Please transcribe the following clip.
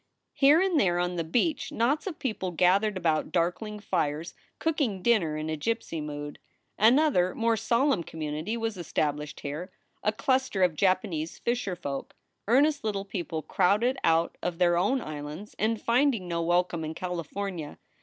Here and there on the beach knots of people gathered about darkling fires, cooking dinner in a gypsy mood. Another, more solemn community was established here: a cluster of Japanese fisherf oik earnest little people crowded out of their own islands and finding no welcome in Cali fornia.